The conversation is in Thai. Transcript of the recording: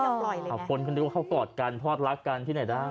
ไม่ยอมปล่อยเลยไงหลับปนคือนึกว่าเขากอดกันพลอดรักกันที่ไหนได้